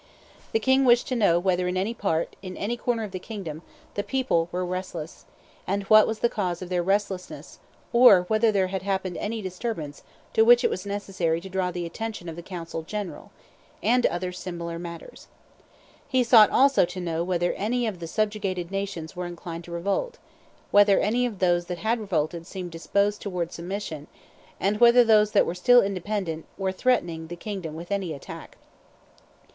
The king wished to know whether in any part, in any corner of the kingdom, the people were restless, and what was the cause of their restlessness; or whether there had happened any disturbance to which it was necessary to draw the attention of the council general, and other similar matters. He sought also to know whether any of the subjugated nations were inclined to revolt; whether any of those that had revolted seemed disposed towards submission; and whether those that were still independent were threatening the kingdom with any attack.